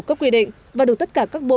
các quy định và được tất cả các bộ